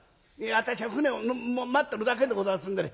私は舟を待っとるだけでございますんでね